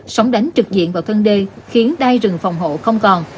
sóng đánh trực diện vào thân đê khiến đai rừng phòng hộ không còn